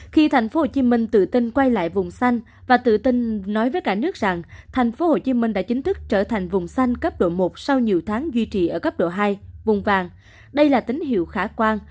khi thành phố hồ chí minh tự tin quay lại vùng xanh và tự tin nói với cả nước rằng thành phố hồ chí minh đã chính thức trở thành vùng xanh cấp độ một sau nhiều tháng duy trì ở cấp độ hai vùng vàng đây là tín hiệu khả quan